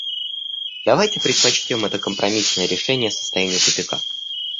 Давайте предпочтем это компромиссное решение состоянию тупика.